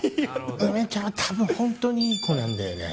梅ちゃんはたぶん、本当にいい子なんだよね。